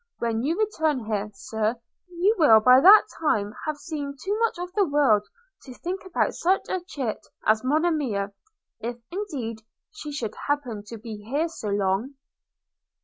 When you return here, Sir, you will by that time have seen too much of the world to think about such a chit as Monimia – if, indeed, she should happen to be here so long.'